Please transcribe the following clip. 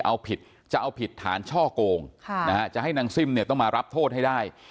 เอาผิดจะเอาผิดฐานช่อโกงจะให้นางซิ่มเนี่ยต้องมารับโทษให้ได้